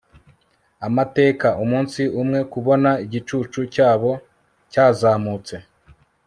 amateka, umunsi umwe, kubona igicucu cyabo cyazamutse